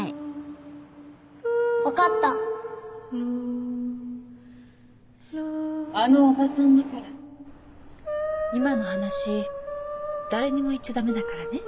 分かったあのおばさんだから今の話誰にも言っちゃダメだからね。